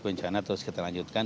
bencana terus kita lanjutkan